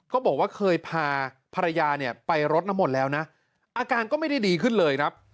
บอกว่าเคยพาภรรยาเนี่ยไปรดน้ำมนต์แล้วนะอาการก็ไม่ได้ดีขึ้นเลยครับ